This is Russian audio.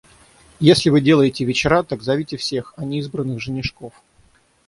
Если вы делаете вечера, так зовите всех, а не избранных женишков.